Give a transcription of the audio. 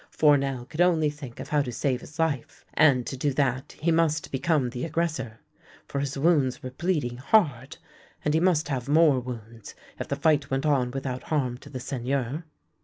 Fournel could only think of how to save his life, and to do that he must become the aggressor, for his wounds were bleeding hard, and he must have more wounds, if the fight went on without harm to the Seigneur.